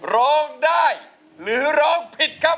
ลงได้หรือลงผิดครับ